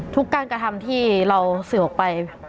ทุกการกระทำที่เราสื่อออกไป